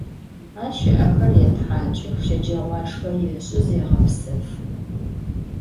Aş ı'exer yêthaç'ıx, şeceğuaşşxe yêş'ı, zêğepsefı.